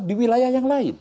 di wilayah yang lain